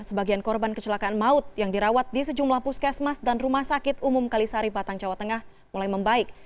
sebagian korban kecelakaan maut yang dirawat di sejumlah puskesmas dan rumah sakit umum kalisari batang jawa tengah mulai membaik